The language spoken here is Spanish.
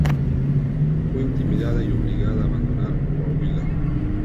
Fue intimidada y obligada a abandonar Coahuila.